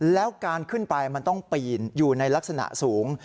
แล้วการขึ้นไปมันต้องปีนอยู่ในลักษณะสูง